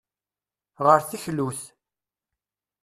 Ɣer teklut.